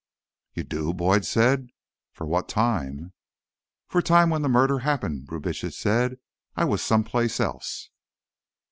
"You do?" Boyd said. "For what time?" "For time when murder happened," Brubitsch said. "I was someplace else."